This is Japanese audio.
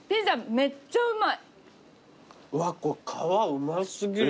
めっちゃうまい。